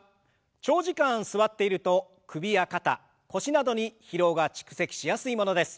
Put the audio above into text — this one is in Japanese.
長時間座っていると首や肩腰などに疲労が蓄積しやすいものです。